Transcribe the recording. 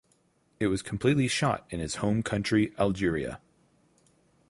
It was completely shot in his home country Algeria.